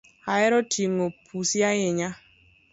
Ahero ting’o pusi ahinya